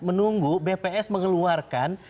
menunggu bps mengeluarkan